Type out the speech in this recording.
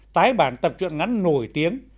tái bản tập truyện ngắn nổi tiếng